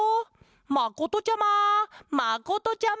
まことちゃままことちゃま！